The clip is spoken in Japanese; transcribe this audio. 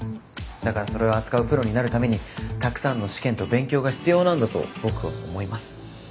だからそれを扱うプロになるためにたくさんの試験と勉強が必要なんだと僕は思います。